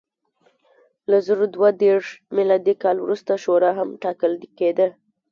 له زر دوه دېرش میلادي کال وروسته شورا هم ټاکل کېده.